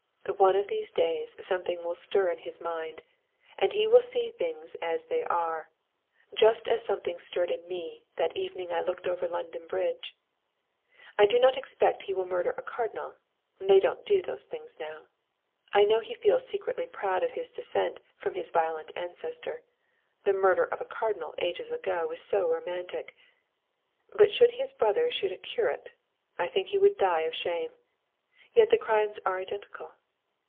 One of these days something will stir in his mind, and he will see things as they are, just as something stirred in me that evening I looked over London Bridge. I do not expect he will murder a cardinal, they don't do those things now. I know he feels secretly proud of his descent from his violent ancestor the murder of a cardinal ages ago is so romantic but should his brother shoot a curate, I think he would die of shame. Yet the crimes are identical.